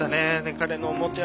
彼の持ち味。